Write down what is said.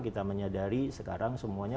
kita menyadari sekarang semuanya